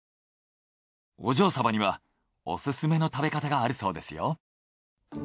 お嬢サバにはオススメの食べ方があるそうですよ。